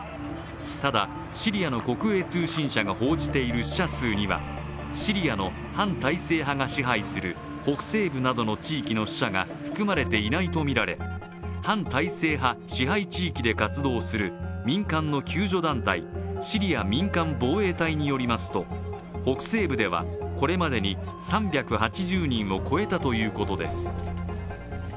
ただ、シリアの国営通信社が報じている死者数にはシリアの反体制派が支配する北西部などの死者が含まれていないとみられ、反体制派支配地域で活動する民間の救助団体シリア民間防衛隊によりますと北西部ではこれまでに３８０人を超えたということです。